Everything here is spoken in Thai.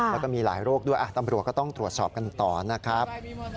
แล้วก็มีหลายโรคด้วยตำรวจก็ต้องตรวจสอบกันต่อนะครับ